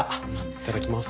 いただきます。